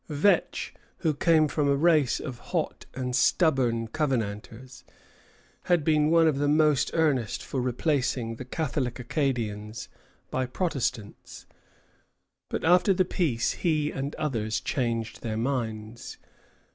Vetch, who came of a race of hot and stubborn Covenanters, had been one of the most earnest for replacing the Catholic Acadians by Protestants; but after the peace he and others changed their minds.